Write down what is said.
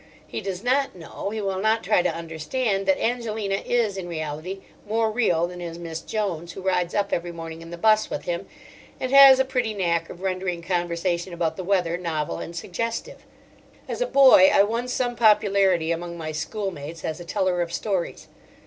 He does not know, he will not try to understand, that Angelina is in reality more real than is Miss Jones, who rides up every morning in the 'bus with him, and has a pretty knack of rendering conversation about the weather novel and suggestive. As a boy I won some popularity among my schoolmates as a teller of stories.